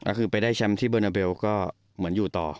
ก็คือไปได้แชมป์ที่เบอร์นาเบลก็เหมือนอยู่ต่อ